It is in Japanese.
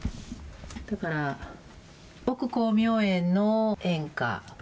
だから、邑久光明園の園歌。